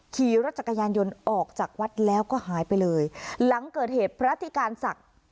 ขี่รถจักรยานยนต์ออกจากวัดแล้วก็หายไปเลยหลังเกิดเหตุพระทิการศักดิ์